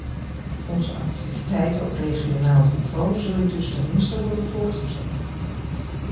Onze activiteiten op regionaal niveau zullen dus tenminste worden voortgezet.